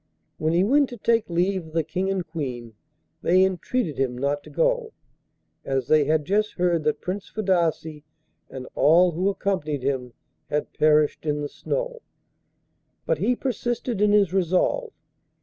When he went to take leave of the King and Queen they entreated him not to go, as they had just heard that Prince Fadasse, and all who accompanied him, had perished in the snow; but he persisted in his resolve.